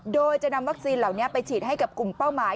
โดยจะนำวัคซีนเหล่านี้ไปฉีดให้กับกลุ่มเป้าหมาย